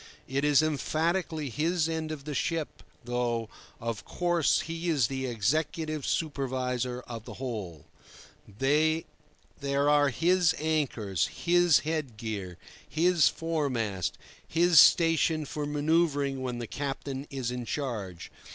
It is emphatically his end of the ship, though, of course, he is the executive supervisor of the whole. There are his anchors, his headgear, his foremast, his station for manoeuvring when the captain is in charge.